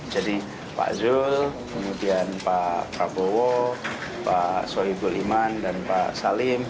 jadi pak zul kemudian pak prabowo pak sohibul iman dan pak salim